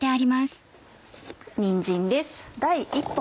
にんじんです。